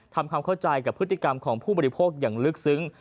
ทำความเข้าใจกับพฤติกรรมของผู้บริโภคอย่างลึกซึ้ง